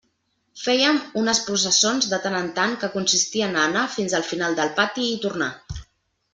Fèiem unes processons, de tant en tant, que consistien a anar fins al final del pati i tornar.